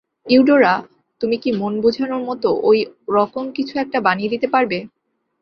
Eudora, তুমি কি মন বুঝানোর মতো ওই রকম কিছু একটা বানিয়ে দিতে পারবে?